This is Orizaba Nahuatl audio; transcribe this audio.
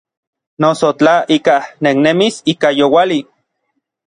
Noso tla ikaj nejnemis ika youali.